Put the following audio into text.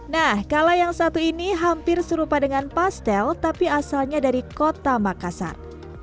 nah kalau yang satu ini hampir serupa dengan pastel tapi asalnya dari kota makassar